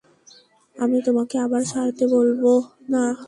আমি তোমাকে আবার ছাড়তে বলব না।